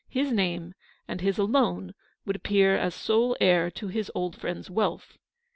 57 his name, and his alone, would appear as sole heir to his old friend's wealth.